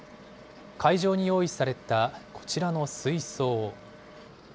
会場に用意されたこちらの水槽。